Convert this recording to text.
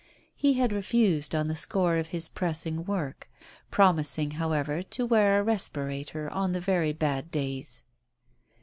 He had refused on the score of his pressing work, promising, however, to wear a respirator on the very bad days.